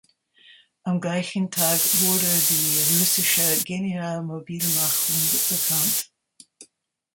Am gleichen Tag wurde die russische Generalmobilmachung bekannt.